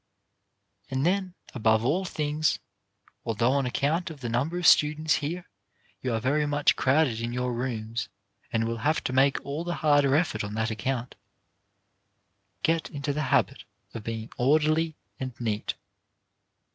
And then, above all things, although on ac count of the number of students here you are very much crowded in your rooms and will have to make all the harder effort on that account, get into the habit of being orderly and neat.